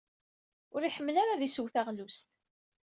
Ur iḥemmel ara ad isew taɣlust.